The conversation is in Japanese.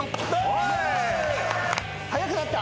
速くなった？